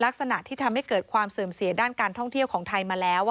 ลักษณะที่ทำให้เกิดความเสื่อมเสียด้านการท่องเที่ยวของไทยมาแล้ว